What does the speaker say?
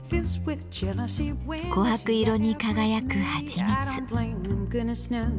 琥珀色に輝くはちみつ。